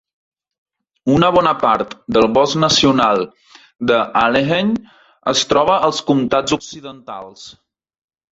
Una bona part del bosc nacional de Allegheny es troba als comtats occidentals.